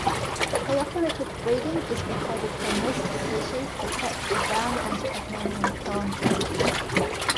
Cooperative breeding is recorded from most species except the brown and Tasmanian thornbills.